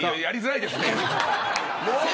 やりづらいですね。